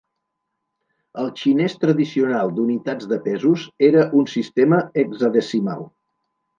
El xinès tradicional d'unitats de pesos era un sistema hexadecimal.